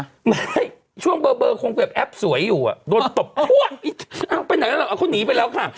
ไหนช่วงเบลอควงเกรียบแอ็บสวยอยู่โดนตบว้วไปไหนละเข้านี้ไปแล้วค่ะ